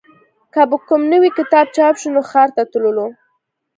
که به کوم نوی کتاب چاپ شو نو ښار ته تللو